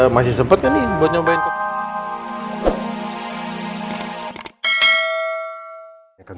masih sempet gak nih buat nyobain